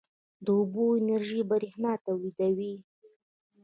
د اوبو انرژي برښنا تولیدوي